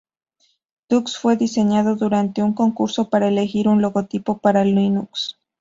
Tux fue diseñado durante un concurso para elegir un logotipo para Linux.